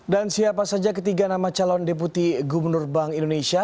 dan siapa saja ketiga nama calon deputi gubernur bank indonesia